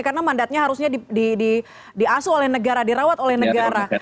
karena mandatnya harusnya di asuh oleh negara dirawat oleh negara